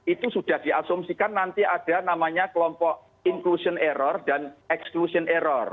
itu sudah diasumsikan nanti ada namanya kelompok inclusion error dan exclusion error